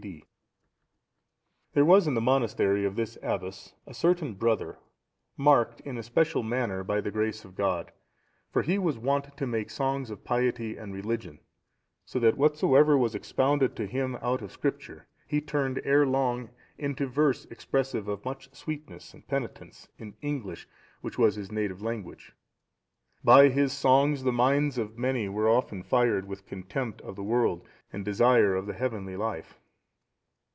D.] There was in the monastery of this abbess a certain brother, marked in a special manner by the grace of God, for he was wont to make songs of piety and religion, so that whatever was expounded to him out of Scripture, he turned ere long into verse expressive of much sweetness and penitence, in English, which was his native language. By his songs the minds of many were often fired with contempt of the world, and desire of the heavenly life.